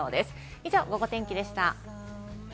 以上、ゴゴ天気でした。